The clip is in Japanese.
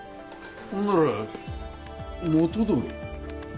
ほんなら元通り。